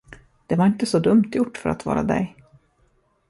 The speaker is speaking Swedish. Det var inte så dumt gjort för att vara av dig.